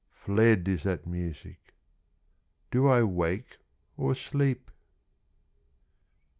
Fled is that music: do I wake or sleep?